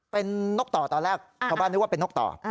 เป็นนกต่อตอนแรกชาวบ้านนึกว่าเป็นนกต่อ